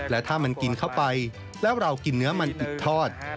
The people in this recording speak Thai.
และถ้ามันกินเข้าไปแล้วเรากินเนื้อมันอีกทอด